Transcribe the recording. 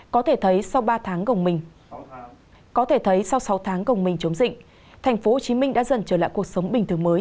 có thể thấy sau sáu tháng gồng mình chống dịch thành phố hồ chí minh đã dần trở lại cuộc sống bình thường mới